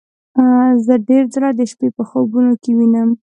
زه ډیر ځله د شپې په خوبونو کې وینم